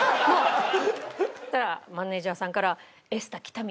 そしたらマネージャーさんから。